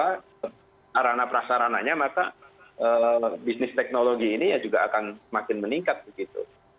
karena prasarananya maka bisnis teknologi ini ya juga akan semakin meningkat begitu